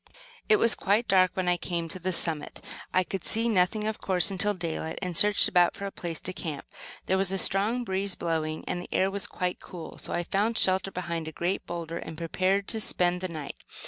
It was quite dark when I came to the summit. I could see nothing, of course, until daylight, and I searched about for a place to camp. There was a strong breeze blowing and the air was quite cool, so I found shelter behind a great boulder and prepared to spend the night.